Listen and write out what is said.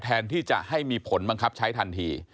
แทนที่จะให้มีผลบังคับใช้ทันที